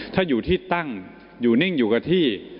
ถ้าอยู่ที่ตั้งอยู่นิ่งอยู่กับที่